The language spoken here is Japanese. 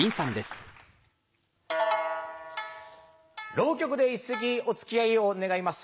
浪曲で一席お付き合いを願います。